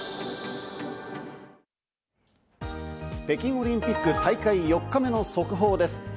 北京オリンピック大会４日目の速報です。